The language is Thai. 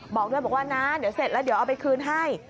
บอกด้วยบอกว่านะเดี๋ยวเสร็จแล้วเดี๋ยวเอาไปคืนให้